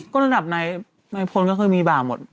ก็ลำดับไหนไหนโพ้นก็คือมีบ่าหมด